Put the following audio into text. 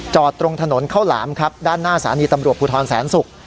ตรงถนนข้าวหลามครับด้านหน้าสถานีตำรวจภูทรแสนศุกร์